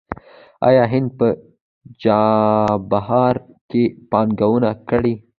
آیا هند په چابهار کې پانګونه کړې؟